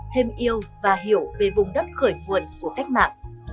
thêm yêu và hiểu về vùng đất khởi nguồn của cách mạng